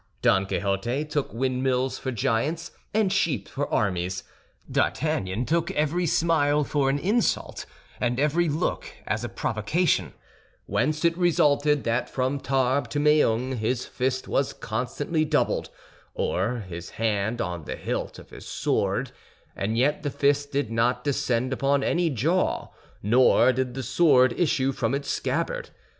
Don Quixote took windmills for giants, and sheep for armies; D'Artagnan took every smile for an insult, and every look as a provocation—whence it resulted that from Tarbes to Meung his fist was constantly doubled, or his hand on the hilt of his sword; and yet the fist did not descend upon any jaw, nor did the sword issue from its scabbard.